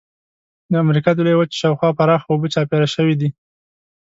د امریکا د لویې وچې شاو خوا پراخه اوبه چاپېره شوې دي.